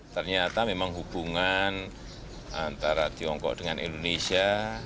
ternyata memang hubungan antara tiongkok dengan indonesia